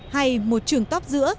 hay một trường tóp giữa